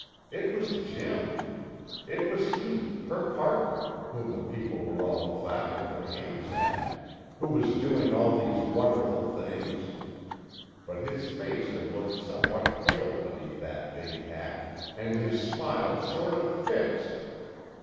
It was Jim! It was he, her "partner," whom the people were all clapping their hands at, who was doing all these wonderful things! But his face had looked somewhat pale beneath that big hat, and his smile sort of fixed.